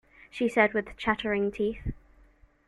She said with chattering teeth.